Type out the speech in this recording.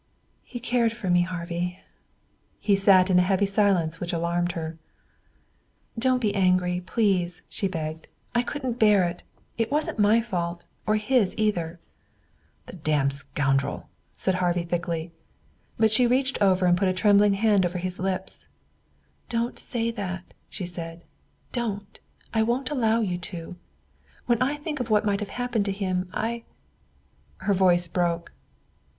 "He cared for me, Harvey." He sat in a heavy silence which alarmed her. "Don't be angry, please," she begged. "I couldn't bear it. It wasn't my fault, or his either." "The damned scoundrel!" said Harvey thickly. But she reached over and put a trembling hand over his lips. "Don't say that," she said. "Don't! I won't allow you to. When I think what may have happened to him, I " Her voice broke.